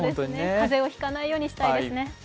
風邪をひかないようにしたいですね。